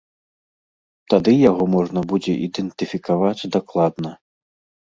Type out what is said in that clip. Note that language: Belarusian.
Тады яго можна будзе ідэнтыфікаваць дакладна.